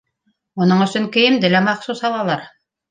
Уның өсөн кейемде лә махсус алалар.